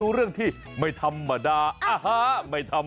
รู้เรื่องที่ไม่ธรรมดาอ่ะฮะไม่ธรรมดา